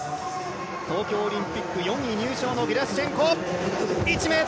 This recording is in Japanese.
東京オリンピック４位入賞のゲラシュチェンコ。